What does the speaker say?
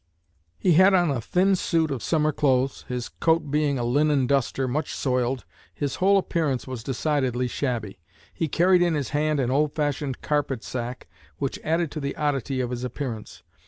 He had on a thin suit of summer clothes, his coat being a linen duster, much soiled. His whole appearance was decidedly shabby. He carried in his hand an old fashioned carpet sack, which added to the oddity of his appearance.